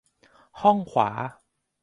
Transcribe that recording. ห้องขวา